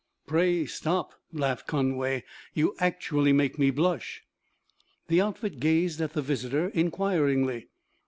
"Pray stop!" laughed Conway. "You actually make me blush." The outfit gazed at the visitor inquiringly.